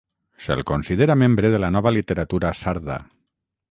Se'l considera membre de la nova literatura sarda.